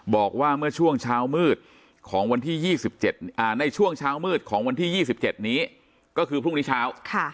บอกว่าเมื่อช่วงเช้ามืดของวันที่๒๗ในช่วงเช้ามืดของวันที่๒๗นี้ก็คือพรุ่งนี้เช้า